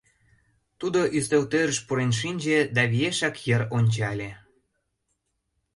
Тудо ӱстелтӧрыш пурен шинче да виешак йыр ончале.